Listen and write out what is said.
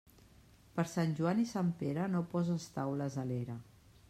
Per Sant Joan i Sant Pere, no poses taules a l'era.